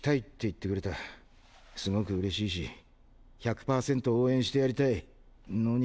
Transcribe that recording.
すごく嬉しいし１００％応援してやりたいのに。